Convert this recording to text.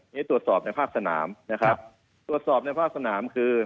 ให้ตรวจสอบในภาคสนามนะครับตรวจสอบในภาคสนามคือ